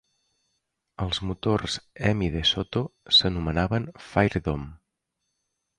Els motors Hemi de DeSoto s'anomenaven Fire Dome.